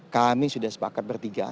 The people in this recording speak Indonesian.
kami sudah sepakat bertiga